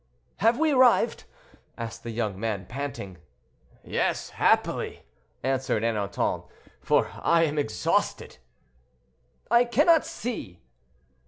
"Have we arrived?" asked the young man, panting. "Yes, happily!" answered Ernanton, "for I am exhausted." "I cannot see."